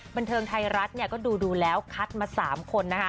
บันเทิงไทยรัฐเนี่ยก็ดูแล้วคัดมา๓คนนะคะ